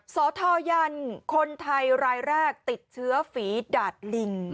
สทยันคนไทยรายแรกติดเชื้อฝีดาดลิง